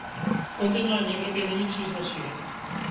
V kontinentální Evropě není příliš rozšířeno.